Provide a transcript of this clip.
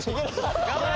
頑張れ！